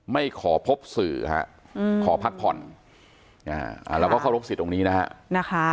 ไม่ขอพบสื่อฮะขอพักผ่อนเราก็เคารพสิทธิ์ตรงนี้นะฮะ